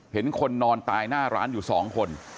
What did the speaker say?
เห็นคนนอนตายหน้าร้านอยู่๒คน